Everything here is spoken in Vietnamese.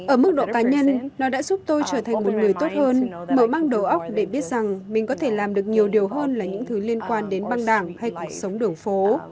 ở mức độ cá nhân nó đã giúp tôi trở thành một người tốt hơn mở mang đồ óc để biết rằng mình có thể làm được nhiều điều hơn là những thứ liên quan đến băng đảng hay cuộc sống đường phố